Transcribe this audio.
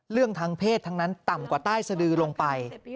เรื่องทางเพศทั้งนั้นต่ำกว่าใต้สดือลงไป